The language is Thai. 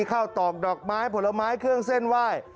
ตอกดอกไม้ผลไม้เครื่องเส้นไหว้